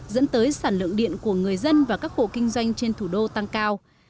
dẫn tới sản lượng điện của người dân và các hộ kinh doanh trên thủ đô tăng cao